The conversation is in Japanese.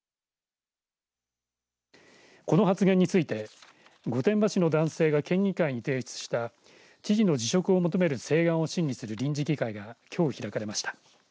この発言について御殿場市の男性が県議会に提出した知事の辞職を求める請願を審議する臨時議会がきょう開かれました。